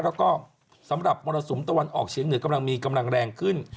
แล้วก็สำหรับมรสุมตะวันออกเฉียงเหนือกำลังมีกำลังแรงขึ้น